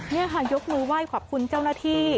นี่ค่ะยกมือไหว้ขอบคุณเจ้าหน้าที่